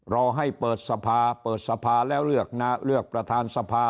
รอให้เปิดสภาเปิดสภาแล้วเลือกประทานสภา